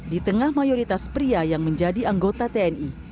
di tengah mayoritas pria yang menjadi anggota tni